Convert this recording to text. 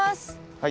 はい！